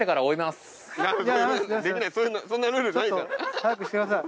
すみません。